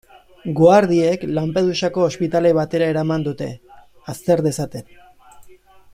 Guardiek Lampedusako ospitale batera eraman dute, azter dezaten.